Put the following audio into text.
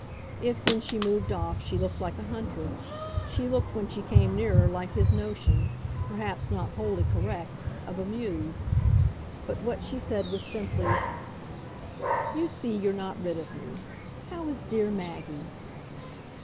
If when she moved off she looked like a huntress, she looked when she came nearer like his notion, perhaps not wholly correct, of a muse. But what she said was simply: "You see you're not rid of me. How is dear Maggie?"